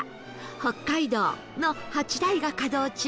北海道の８台が稼働中